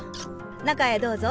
中へどうぞ。